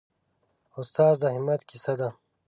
استاد د همت کیسه ده.